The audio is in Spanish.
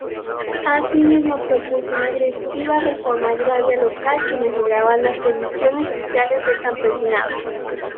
Asimismo propuso una agresiva reforma agraria local que mejoraban las condiciones sociales del campesinado.